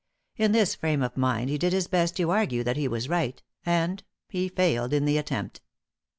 In this frame of mind he did his best to argue that he was right, and he failed in the attempt.